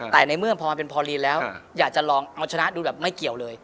แต่ในเมื่อพอมันเป็นพอลีนแล้วอยากจะลองเอาชนะดูแบบไม่เกี่ยวเลย